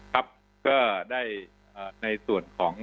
ครับก็ได้ในส่วนของ